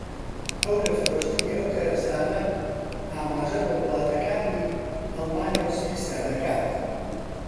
ئەو لە فرۆشتنی ئەو کەرستانە ئاماژە بە وڵاتەکانی ئەڵمانیا و سویسڕا دەکات